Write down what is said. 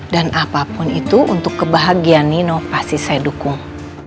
dan apapun itu untuk kebahagiaan nino pasti saya dukung